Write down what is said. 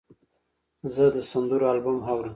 زه د سندرو البوم اورم.